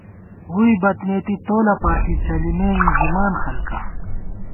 ووئی بدنېتی تولہ پاݪی چلِمېن ژِمان خلکا